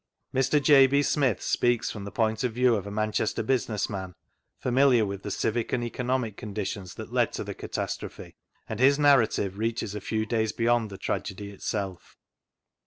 Mr. J. B. Smith speaks from the poiift of view of a Manchester business man, familiar with the civic and economic con ditions that led to the catastrophe, and his narra tive reaches a few days beyond the tragedy itself.